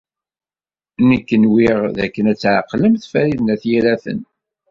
Nekk nwiɣ dakken ad tɛeqlemt Farid n At Yiraten.